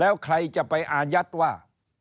แล้วใครจะไปอายัดว่า